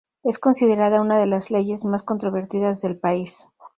Es considerada una de las leyes más controvertidas del país.